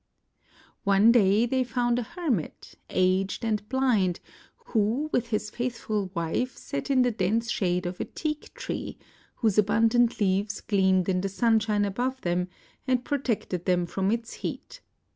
One day they found a hermit, aged and blind, who with his faithful wife sat in the dense shade of a teak tree, whose abundant leaves gleamed in the sunshine above them and protected them from its heat.